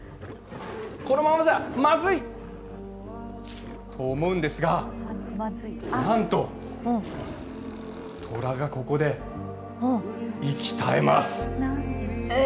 このままじゃまずい。と思うんですが、なんと、虎がここで息絶えます。